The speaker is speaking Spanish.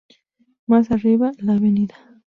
Más arriba, la Av.